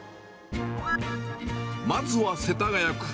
まずは世田谷区。